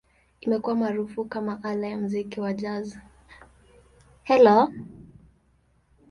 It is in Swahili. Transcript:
Imekuwa maarufu kama ala ya muziki wa Jazz.